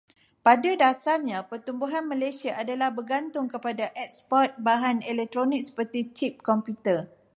Pada dasarnya, pertumbuhan Malaysia adalah bergantung kepada eksport bahan elektronik seperti cip komputer.